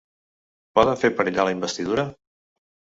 Poden fer perillar la investidura?